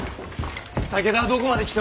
武田はどこまで来ておる。